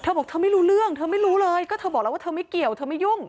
บอกเธอไม่รู้เรื่องเธอไม่รู้เลยก็เธอบอกแล้วว่าเธอไม่เกี่ยวเธอไม่ยุ่ง